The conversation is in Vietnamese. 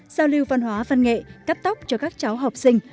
giao lưu văn hóa văn nghệ cắt tóc cho các cháu học sinh